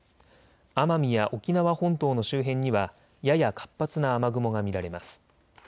奄美や沖縄本島の周辺にはやや活発な雨雲が見られます。